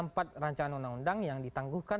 empat rancangan undang undang yang ditangguhkan